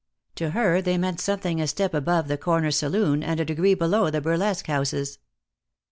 To her they meant something a step above the corner saloon, and a degree below the burlesque houses.